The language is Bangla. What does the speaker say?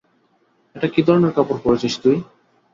এটা কী ধরনের কাপড় পরেছিস তুই?